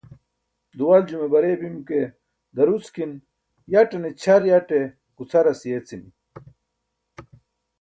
duwaljume barey bim ke daruckinan yaṭne ćʰar aṭe gucʰaras yeecimi